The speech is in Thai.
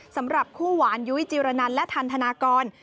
สำหรับคู่หวานยุ้ยจิรนันและทันธนากร